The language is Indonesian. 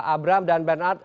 abram dan bernard